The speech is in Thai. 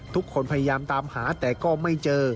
ทุกคนพยายามตามหาแต่ก็ไม่เจอ